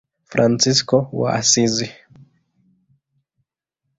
Fransisko wa Asizi.